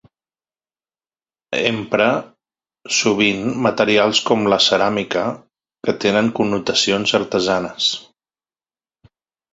Empra sovint materials com la ceràmica, que tenen connotacions artesanes.